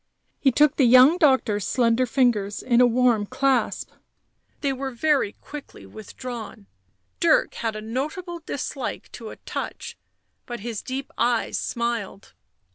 He took the young doctor's slender fingers in a warm clasp ; they w re very quickly withdrawn. Dirk had a notable dislike to a touch, but his deep eyes smiled.